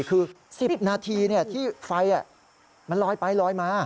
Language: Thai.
คือ๑๐นาทีที่ไฟมันลอยไปลอยมา